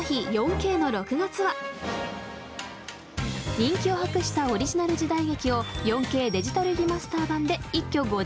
人気を博したオリジナル時代劇を４Ｋデジタルリマスター版で一挙５時間お届け！